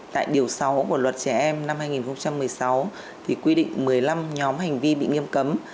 tại điều sáu của luật trẻ em năm hai nghìn một mươi sáu thì quy định một mươi năm nhóm hành vi bị nghiêm cấm